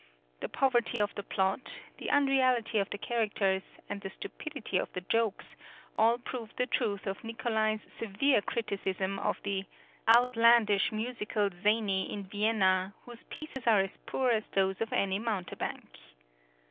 The poverty of the plot, the unreality of the characters, and the stupidity of the jokes, all prove the truth of Nicolai's severe criticism of the "outlandish musical zany in Vienna, whose pieces are as poor as those of any mountebank."